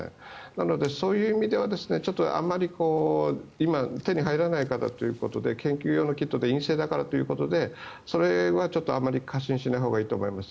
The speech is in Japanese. なので、そういう意味ではあまり今手に入らないからということで研究用のキットで陰性だからということでそれはちょっとあまり過信しないほうがいいと思います。